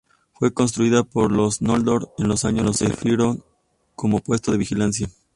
Fue construida por los noldor, en los años de Finrod, como puesto de vigilancia.